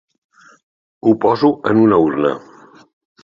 Ho poso en una urna.